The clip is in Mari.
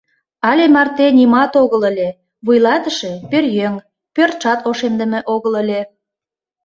Але марте нимат огыл ыле: вуйлатыше — пӧръеҥ, пӧртшат ошемдыме огыл ыле...